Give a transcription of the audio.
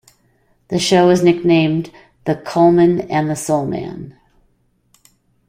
The show was nicknamed the "Coleman and the Soul Man".